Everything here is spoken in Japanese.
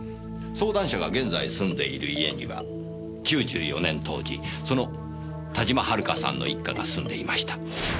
相談者が現在住んでいる家には９４年当時その田島遥さんの一家が住んでいました。